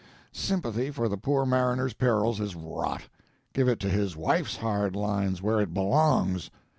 Sympathy for the poor mariner's perils is rot; give it to his wife's hard lines, where it belongs!